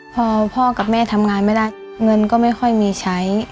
พอพ่อกับแม่ทำงานไม่ได้เงินก็ไม่ค่อยมีใช้